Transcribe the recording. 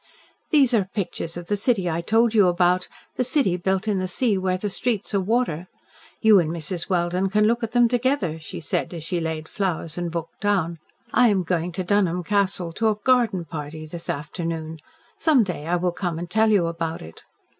"These are pictures of the city I told you about the city built in the sea where the streets are water. You and Mrs. Welden can look at them together," she said, as she laid flowers and book down. "I am going to Dunholm Castle to a garden party this afternoon. Some day I will come and tell you about it."